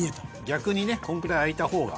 逆にねこんぐらい開いた方が。